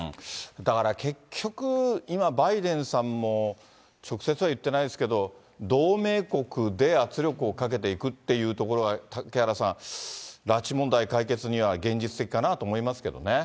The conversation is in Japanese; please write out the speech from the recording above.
だから結局、今、バイデンさんも直接は言ってないですけど、同盟国で圧力をかけていくっていうところが嵩原さん、拉致問題解決には現実的かなと思いますけどね。